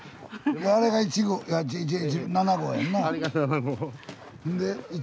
あれが１号いや７号やんな。